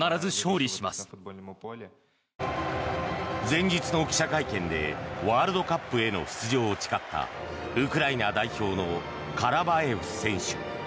前日の記者会見でワールドカップへの出場を誓ったウクライナ代表のカラバエフ選手。